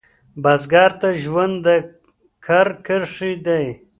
بزګر ته ژوند د کر کرښې دي